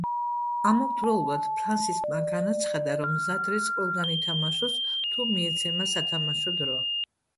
ამავდროულად ფრანსისმა განაცხადა, რომ მზად არის ყველგან ითამაშოს თუ მიეცემა სათამაშო დრო.